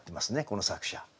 この作者。